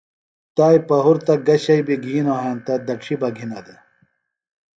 تائی پہُرتہ گہ شئی بیۡ گِھینوۡ ہینتہ دڇھی بہ گِھینہ دےۡ۔